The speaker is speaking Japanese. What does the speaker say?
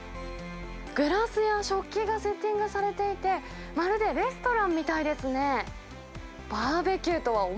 グラスや食器がセッティングされていて、まるでレストランみたいですね。